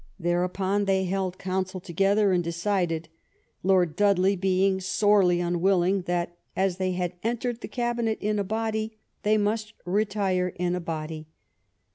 Thereupon they held counsel together and decided. Lord Dudley being sorely unwilling, that, as they had entered the Gabinet in a body, they must retire in a body.